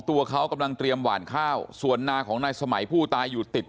ตัวเขากำลังเตรียมหวานข้าวส่วนนาของนายสมัยผู้ตายอยู่ติด